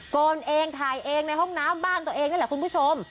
โกนเองถ่ายเองในห้องน้ำบ้านตัวเองนั่นแหละคุณผู้ชม